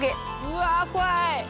うわ怖い！